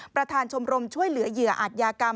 ประธานชมรมช่วยเหลือเหยื่ออาจยากรรม